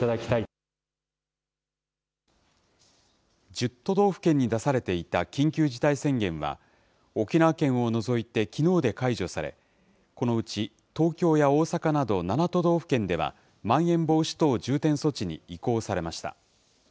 １０都道府県に出されていた緊急事態宣言は、沖縄県を除いてきのうで解除され、このうち東京や大阪など７都道府県ではまん延防止等重点措置に移行されました。